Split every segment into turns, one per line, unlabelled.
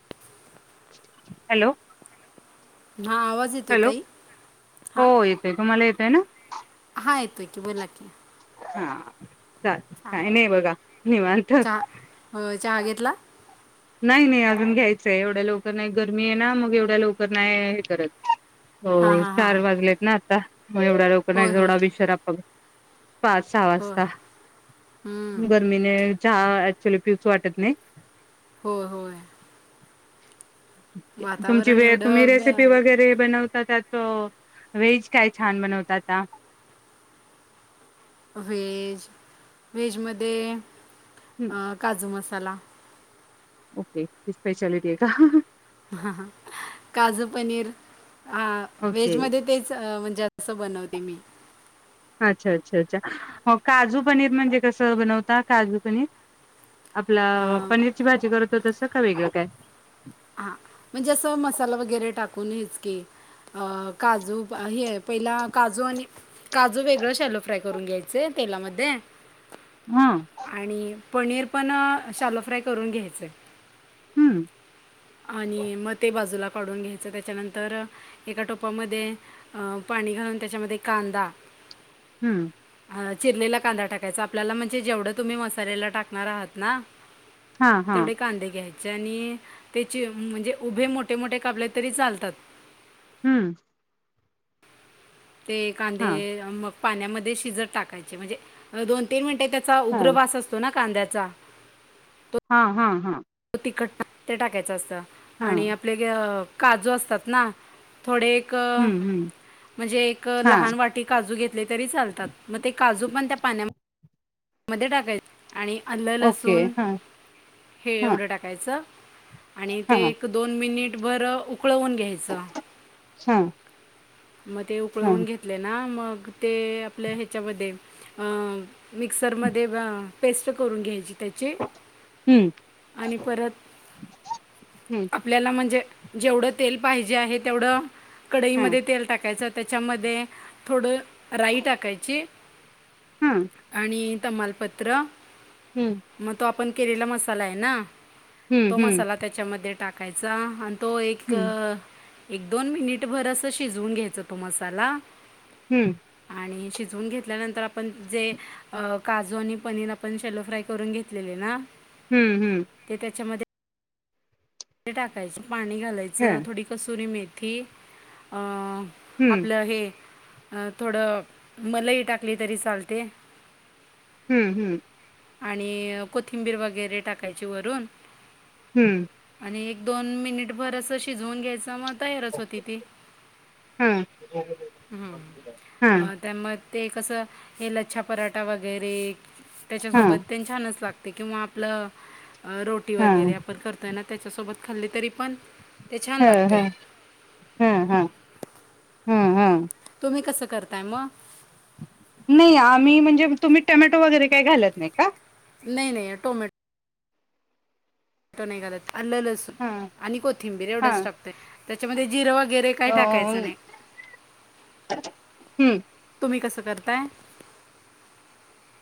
[inaudible]
Hello.
हा आवाज येतो
हॅलो,
ताई हा
हो येतय तुम्हाला येतय ना?
हा येतोय की बोला की?
हा, चाल
हा
काय नाही बघा निवांत.
हो चहा घेतला?
नाही नाही अजून घ्यायचंय एवढ्या लवकर नाही गरमी आहे ना मग एवढ्या लवकर नाही हे करत. हो
हां हां हां
चार वाजलेत ना आता, मग एवढ्या लवकर
होय
नाही
होय
थोडा उशीरा पा पाच सहा
होय
वाजता,
हम्म,
ब मी ने चहा अक्च्युली पिवच वाटत नाही.
होय होय.
तुमची
वातावरण
वेळ तुम्ही
एवढं
रेसिपी
बे-
वगैरे बनव तर त्यात, व्हेज काय छान बनवता आता?
व्हेज, व्हेजमध्ये, अ काजू मसाला.
ओके ती स्पेशलिटी आहे का?
काजू पनीर, हा
ओके
वेजमध्ये तेच, म्हणजे असं बनवते मी.
अच्छा! अच्छा! अच्छा! हो काजू पनीर म्हणजे कसं बनवता काजू पनीर? आपला
अ,
पनीरची भाजी करतो तसं का वेगळं काय?
हा म्हणजे असं मसाला वगैरे टाकून हेच की. अ काजू हे पहिला काजू आणि काजू वेगळं शॅलो फ्राय करून घ्यायचे तेलामध्ये
हा.
आणि पनीर पण शालो फ्राय करून घ्यायचंय.
हम्म.
आणि मग ते बाजूला काढून घ्यायचं त्याच्यानंतर एका टोपामध्ये अ पाणी घालून त्याच्यामध्ये कांदा
हम्म.
चिरलेला कांदा टाकायचा आपल्याला म्हणजे जेवढं तुम्ही मसालेला टाकणार आहात ना
हा हा
तेवढे कांदे घ्यायचे आणि त्याचे म्हणजे उभे मोठे मोठे कापले तरी चालतात.
हम्म.
ते
हा
कांदे मग पाण्यामध्ये शिजत टाकायचे म्हणजे दोन तीन मिनटे चा
हा
उग्रवास असतो ना कांद्याचा?
हा, हा, हा
त तिखट ते टाकायचं असतं
हा
आणि आपले काजू असतात ना थोडे एक
हम्म हम्म
म्हणजे एक
हा
लहान वाट काजू घेतले तरी चालतात, म ते काजू पण त्या पाण्या मध्ये टाकायच आणि आलं
ओके
लसून
हा
हे
हा
एवढं टाकायचं. आणि
हा
ते
हा
एक दोन मिनिट भर उकळवून घ्यायचं.
हा.
मग ते उकळवून
हम्म
घेतले ना मग ते आपल्या ह्याच्यामध्ये अ मिक्सरमध्ये ब पेस्ट करून घ्यायची. त्याचे
हम्म
आणि परत
हा
आपल्याला म्हणजे जेवढं तेल पाहिजे आहे तेवढं
हा
कढईमध्ये तेल टाकायच त्याच्यामध्ये थोडं राई टाकायची. आणि तमालपत्र
हम्म.
मग तो आपण केलेला मसाला आहे ना,
हम्म हम्म
तो मसाला त्याच्यामध्ये टाकायचा आणि तो एक,
हम्म
एक दोन मिनिटभर असं शिजवून घ्यायचा तो मसाला
हम्म.
आणि शिजवून घेतल्यानंतर आपण जे काजू आणि पनीर आपण शेलो फ्राय करून घेत लेले ना
हम्म, हम्म
ते त्याच्यामध्ये ते टाकायचं पाणी घालायचं
ह
थोडी कसुरी मेथी
हम्म
आपलं हे, थोडं मलई टाकली तरी चालते.
हम्म, हम्म
आणि कोथिंबीर वगैरे टाकायची वरून
हम्म.
आणि एक दोन मिनिट भर असं शिजवून घ्यायच मग तयार च होती ती.
हा हा
हम्म. त्या मध्ये कसं हे लच्छा पराठा वगैरे.
हा
त्याच्यासोबत तेन छानच लागते. किंवा आपलं रोटी
हा
वगैरे आपण करतोय ना त्याच्यासोबत खाल्ले तरी पण ते छान
ह ह.
लागते
ह ह. ह ह.
तुम्ही कसं करताय म?
नाही आम्ही म्हणजे तुम्ही टोमॅटो वगैरे काही घालत नाही का?
नाही नाही टोमॅटो नाही घालत. आलं, लसूण
हा
आणि कोथिंबीर. एवढंच टाकतोय. त्याच्यामध्ये जिरे वगरे काय
हा
टाकायचं नाय.
हम्म
तुम्ही कसं करताय?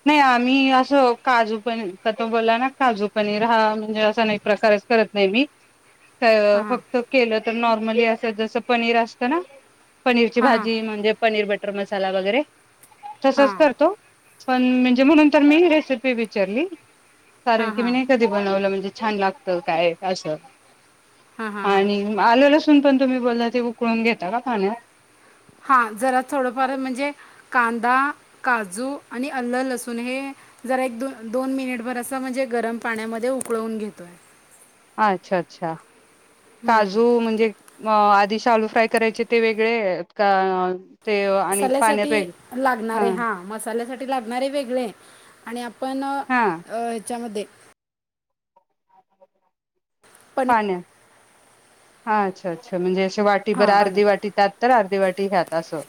नाही आम्ही असं काजू पनीर क तो बोलला. ना काजू पनीर. हा म्हणजे असान एक प्रकार अस करत नाही मी.
हां
फक्त केलं तर नॉर्मली असं जसं पनीर असत ना. पनीरची
हां हां
भाजी म्हणजे पनीर बटर मसाला वगैरे,
हां
तसच करतो. पण म्हणजे म्हणून तर मी रेसिपी विचारली. कारण
हां हां
की मी
हां
नाही कधी बनवलं. म्हणजे छान लागत काय असं.
हां हां हां हां
आणि आल लसून पण तुम्ही बोलला ते उकळून घेता का पाण्यात?
हा जरा थोडंफार म्हणजे, कांदा काजू आणि आल, लसूण हे जरा एक दो दोन मिनिटभर अस म्हणजे, गरम पाण्यामध्ये उकळवून घेतोय.
अच्छा अच्छा. काजू म्हणजे अ आधी शलू फ्राय करायचे ते वेगळेत का? ते आणि पाण्यात
मसाल्यासाठी
वेगळे
लागणारे, हा मसाल्यासाठी लागणारे वेगळेय. आणि आपण
हा
ह्याच्यामध्ये पनीर
पाण्यात. हा अच्छा अच्छा म्हणजे अशी वाटी भर
हां
अर्धी
पाण्यात
वाटी त्यात तर अर्धी वाटी ह्यात असं.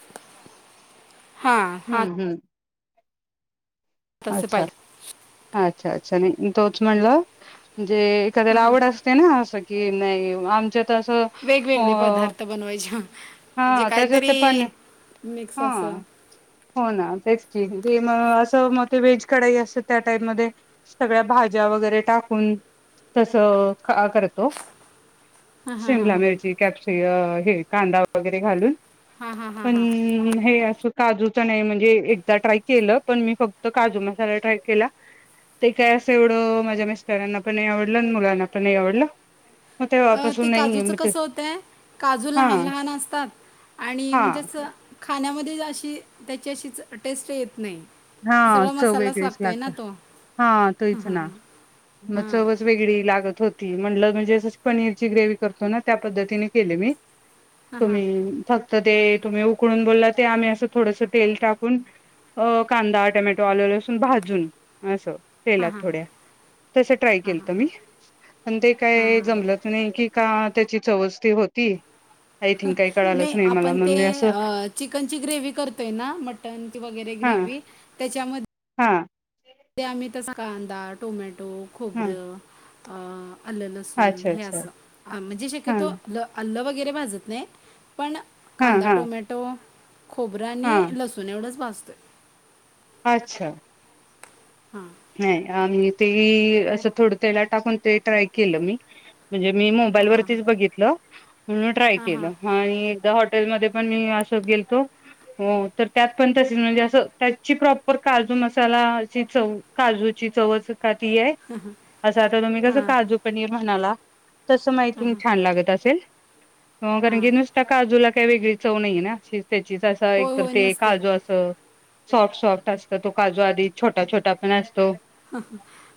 हा. हा.
हम्म हम्म
तसं
अच्छा.
पाहिजे
अच्छा अच्छा. नई तोच म्हणलं, म्हणजे
हां
एखाद्याला
हां
आवड अस ते ना. असं की नाही आमच्यात असं अ
वेगवेगळे पदार्थ बनवायचे. म्हणजे
हा त्याच्यात ते
काहीतरी
पण
मिक्स
हा
असं.
हो ना. तेच की म असं म ते व्हेज कढाई असत त्या टाइप मध्ये. सगळ्या भाज्या वगैरे टाकून तसं क करतो. शिमला मिरची कॅप्स हे कांदा वगैरे घालून.
हा
पण हे अस काजूच नाही. म्हणजे एकदा ट्राय केलं पण मी फक् त काजू मसाला ट्राय केला. ते काय असं एवढं माझ्या मिस्टरांना पण नाही आवडलं. आणि मुलांना पण नाही आवडलं. मग
अं
तेव्हापासून
ते
नाहीये
काजूचं
मग ते
कसं होतंय? काजू
हा
लहान लहान असतात. आणि
हा
म्हणजेच खाण्यामध्येच अशी, त्याची अशीच टेस्ट येत नाही.
हा
सगळा
चव
मसालाच
वेगळेच
लागतोय ना
लागते.
तो
हा तेच ना. म
हां
चवच वेगळी लागत होती. म्हण म्हणजे पनीरची ग्रेव्ही करतो ना. त्या पद्धतीने केली मी. तुम्ही फक्त ते तुम्ही उकळून बोलला ते, आम्ही असं थोडस तेल टाकून कांदा, टोमॅटो, आल्ल, लसून भाजून असं. तेलात थोड्या. तस ट्राय केलत मी. पण ते काय जमलच नाही. की का त्याची चवच ती होती. आय थिंक काही क
नाही, आपण ते अ, चिकनची ग्रेवी करतोय ना, मटनची वगैरे ग्रेवी त्याच्यामध्ये
हां
ते आम्ही तस, कांदा, टोमॅटो,
हा
खोबरं अ आलं, लसून
अच्छा
हे
अच्छा
असं, म्हणजे
हा
शक्यतो ल अल्लं वगैरे भाजत नाही, पण
हा
कांदा,
हा
टोमॅटो, खोबरं
हा
आणि लसू सुून एवढंच भाजतोय.
अच्छा.
हां.
नाही, आम्ही ते, असं थोडं तेलात टाकून ते ट्राय केलं मी म्हणजे मी मोबाईल
हां हां
वरतीच बघितलं, म्हणून ट्राय
हां हां
केलं. आणि होट हटेल मध्ये पण मी असं गेलतो हो, तर त्यात पण त म्हणजे असं, त्याची प्रॉपर काजू, मसाला अ चवं काजूची चवच का ती हाय, असं आता तुम्ही कसं
हां
काजू पनीर म्हणाला तस माहीती छान लागत असेल,
हां
कारण की नुस त्या काजूला काही वेगळी चव नाहीे ना, ही त्याचीच असा एक
होय
तर
होय
ते
नसते
काजू अस सॉफ्ट -सॉफ्ट असत तो काजू आधी छोटा -छोटा पण असतो.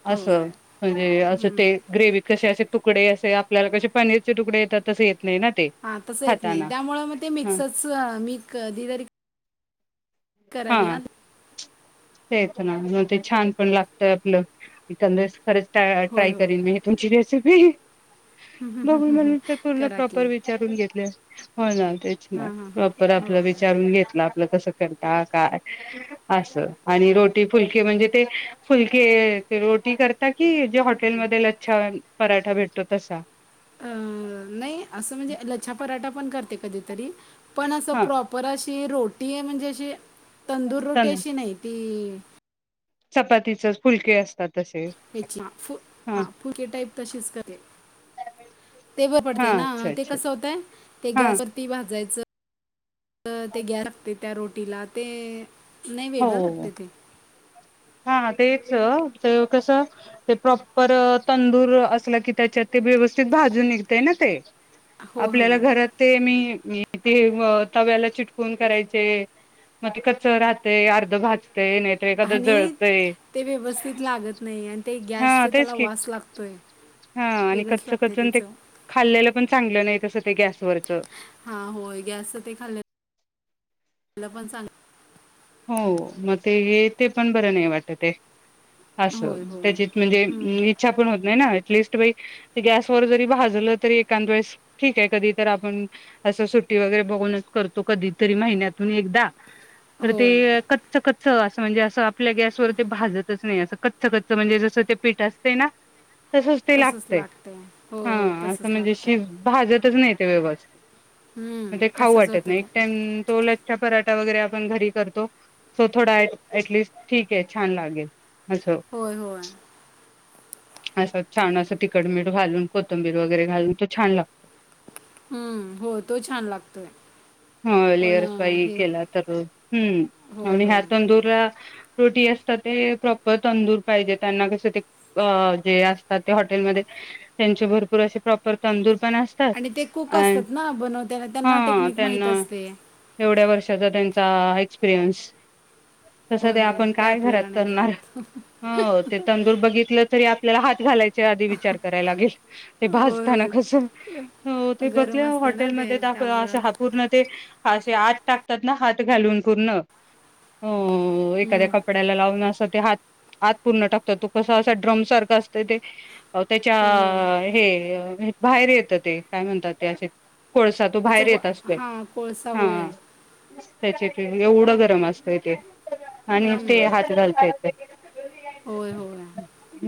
होय
असं, म्हणजे असं
हं.
ते ग्रेवीत कसे असे तुकडे असे, आपल्याला कसे पनीरचे तुकडे येतात तसे येत नाही ना. ते
हा तसं येत नाही,
खाताना
त्यामुळे म ते
ह
मिक्सच मी कधीतरी करल्यात.
येत ना, म ते छान पण लागत आपलं, एखाद्या वेळेस परत ट्राय
होय होय
करीन मी तुमची रेसिपी,
हं, हं, हं,
बघून
हं, हं.
म ते पूर्ण
करा की
प्रॉपर विचारून घेतलेय. हो ना, तेच ना,
हां हां हां
प्रॉपर आपला
होय
विचारून घेतला आप ल, कस करता काय, अस आणि रोटी फुलके म्हणजे ते फुलके रोटी करता की, जे हॉटेल मध लच्छा- पराठा भेटतो तसा?
नाही असं म्हणजे, लच्छा पराठा पण करते कधीतरी पण असं
हा
प्रॉप पर अशी रोटी आहे म्हणजे अशी, तंदूर रोटी अशी नाही ती
चपातीचेच फुलके असतात. तसेच
तेचि फु, ह, हा फुलके टाईप तशीच करते. ते बरं
हा
पडते ना,
अच्छा
ते
अच्छा
कसं होतय, ते
हा
गॅसवर ती भाजायचं, ते गॅस लागते त्या रोटीला ते नाही वेगळं
हो,
लागते ते
हा तेच, सगळं कस ते प्रॉपर तंदूर, असलकी त्याच्यात ते व्यवस्थित भाजून निघतेय ना ते
हो हो
आपल्याला घरात ते मी ते अं, तव्याला चिटकून करायचे म ते कच्च राहत. ते अर्ध भाजतय, नाही तर एखादं जळतंय.
भाजत नाही आणि ते
हा
गॅसचं
तेच
त्याला
की,
वास लागतोय
हा आणि
वेगळंच
कच्च
लागते
कच्चन ते
चव
खाल्लेलं पण चांगलं नाही तसं ते गॅसवरचं.
हा होय, गॅस ते खाल्लं आपल पण सांग.
हो, म ते हे ते पण बरं नाही वाटतय. असं
होय होय
त्याच्यात म्हणजे,
हं,
इच्छा पण होत नाही ना, ऍटटलिस्ट बाई गॅसवर जरी भाजलं तरी, एखांद वेळेस ठीक आहे, कधी तर आपण- असं सुट्टी वगैरे बघूनच करतो कधी तरी महिन्यातून एकदा. तर ते
होय
कच्च, कच्च असं म्हणजे असं आपल्या गॅसवर ते भाजत- तच नाही असं, कच्च-कच्च म्हणजे जसं ते पीठ असतय ना? - तसच ते
तसंच
लागतय,
लागतंय
हा
होय होय
असं
तसंच
म्हणजे
लागतंय
शि- भाजतच नाही ते व्यवस्थित,
हं,
ते खाऊ
तसंच
वाटत
होतं
नाही, एक
ते
टाइम त- पराठा वगैरे आपण घरी- तो. सो थोडा [unintelligible] टस्ट ठीक आहे छान लागेल, अस.
होय, होय.
[inaudible] असं छान असं, तिकड मिठ घालून कोथंबीर वगैरे, घालून तो छान लागतो.
हम्म, हो तो छान लागतोय, पण हे-
तर‌. हम्म.
होय
आणि ह्या
होय
तंदुरा- रोटी असतात ते, प्रॉपर तंदूर पाहिजे, त्यांना कस ते जे असतात- हॉटेलमध्ये त्यांचे भरपूर असे प्रॉपर तंदूर पण अस-
आणि ते कुक असतात ना, बनवतेना त्यांना
हा
टेक्निक माहीत
त्यांना
असतय.
एवढ्या वर्षाचा त्यांचा एक्सपिरियन्स. तसं
होय
ते
होय
आपण काय घरात
आपल्याला नाही
करणार?
जमत
हो, हो, ते तंदूर बघितलं तरी, आपल्याला हात घालायचं- ते आधी विचार कराय लागेल, ते
होय
भाजताना
होय
कस- हो ते बघले
गरम असते ना ते
हॉटेलमध्ये दाखवल, अस
त्यामुळं
हात पूर्ण ते- आशी आत टाकतात ना, हात घालून पूर्ण. हो, एखाद्या
हम्म,
कपड्याला लावून असं ते हात- आत पूर्ण टाकतात, तो कसा असा ड्रम सारखा असतय ते- अ त्याच्या
होय होय
हे बाहेर येतं ते, काय म्हणतात ते असे? कोळसा तो बाहेर
त्याचं व
येत असतोय.
हां कोळसा होय
हा. त्याचे ते एवढं गरम असतय ते आणि ते
हम्म,
हात घालत्यात. [inaudible]
होय, होय.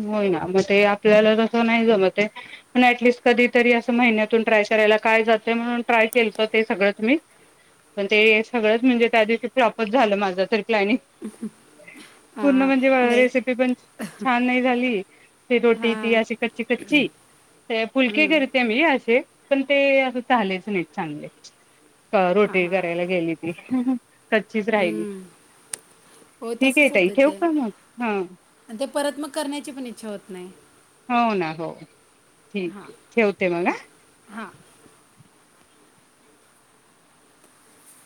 होईना मग ते आपल्याला तस नाही जमते. पण अँटलिस्ट कधीतरी अस महिन्यातून ट्राय करायला काय जातय, म्हणून ट्राय केलत ते सगळंच मी. पण ते सगळंच म्हणजे- त्या दिवशी फ्लाँपच झालं माझं तर प्लँनींग.
हां
पुर्ण
हां
म्हण- जे
नाही
रेसिपी पण छान नाही झाली, ते रोटी ती
हां
अशी कच्ची, कच्ची. फुलके
हम्म,
करते मी असे, पण ते असं झालेच नाही चांगले.
हां
रोटी
हां
करायला गेली ती, कच्चीच राहिली.
हम्म. होय
ठीक आहे
तसंच
ताई,
होतं
ठेवू
ते
का मग? हा.
आणि ते परत मग करण्याची पण इच्छा होत नाही.
हो ना, हो, ठीक आहे, ठेवते मग?
हा.